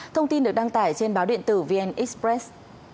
thông tin được đăng tải trên báo điện tử vn express